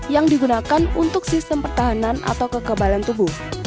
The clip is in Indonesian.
yang digunakan untuk sistem pertahanan atau kekebalan tubuh